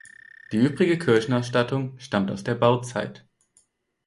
Die übrige Kirchenausstattung stammt aus der Bauzeit.